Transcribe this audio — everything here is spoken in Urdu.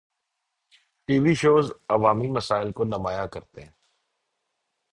ٹی وی شوز عوامی مسائل کو نمایاں کرتے ہیں۔